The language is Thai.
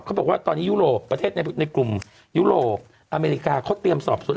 เขาบอกว่าตอนนี้ยุโรปประเทศในกลุ่มยุโรปอเมริกาเขาเตรียมสอบส่วน